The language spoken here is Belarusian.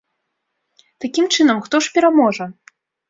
Такім чынам, хто ж пераможа?